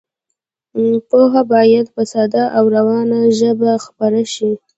پوهه باید په ساده او روانه ژبه خپره شي.